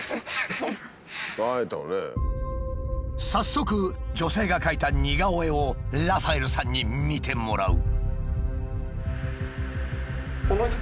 早速女性が描いた似顔絵をラファエルさんに見てもらう。